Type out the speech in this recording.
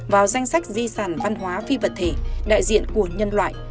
vào danh sách di sản văn hóa phi vật thể đại diện của nhân loại